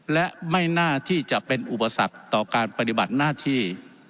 และไม่น่าที่จะเป็นอุปสรรคต่อการปฏิบัติหน้าที่